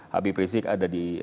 habib rizik ada di